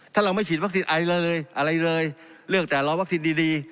ถ้าเราไม่ฉีดวัคซีนไอเลยอะไรเลยเลือกแต่รอวัคซีนดี